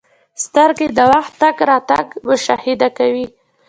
• سترګې د وخت تګ راتګ مشاهده کوي.